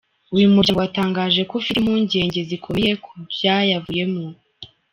Uyu muryango watangaje ko ufite "impungenge zikomeye" ku byayavuyemo.